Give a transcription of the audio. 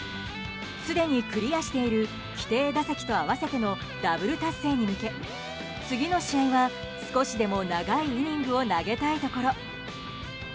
すでにクリアしている規定打席と合わせてのダブル達成に向け次の試合は少しでも長いイニングを投げたいところ。